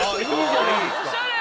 おしゃれ。